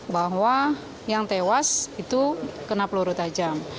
bahwa yang tewas itu kena peluru tajam